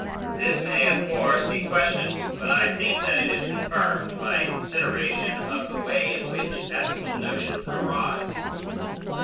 This may, of course, be questioned, but I think that it is confirmed by a consideration of the way in which ethical notions arise.